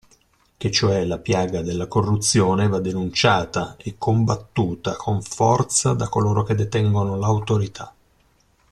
Che cioè la piaga della corruzione va denunciata e combattuta con forza da coloro che detengono l'autorità.